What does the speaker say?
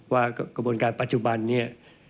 ว่ากระบวนการปัจจุบันเนี่ย